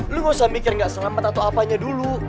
lu gak usah mikir gak selamat atau apanya dulu